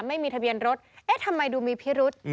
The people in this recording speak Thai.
ไม่มีทะเบียนรถเอ๊ะทำไมดูมีพิรุษ